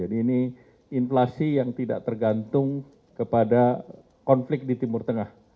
ini inflasi yang tidak tergantung kepada konflik di timur tengah